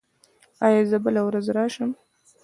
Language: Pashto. ایا زه بله ورځ راشم؟